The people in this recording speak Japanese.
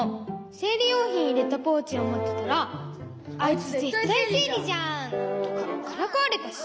せいりようひんいれたポーチをもってたら「あいつぜったいせいりじゃん！」とかからかわれたし。